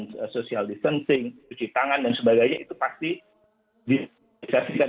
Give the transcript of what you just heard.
social distancing cuci tangan dan sebagainya itu pasti disaksikan